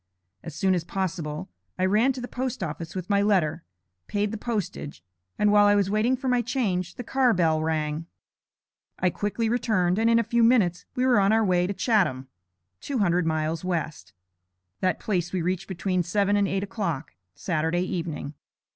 As soon as possible, I ran to the post office with my letter, paid the postage, and while I was waiting for my change, the car bell rang. I quickly returned, and in a few minutes, we were on our way to Chatham (200 miles West). That place we reached between seven and eight o'clock, Saturday evening.